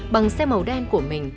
bằng xe màu đen của mình